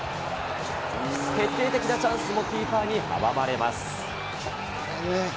決定的なチャンスもキーパーに阻まれます。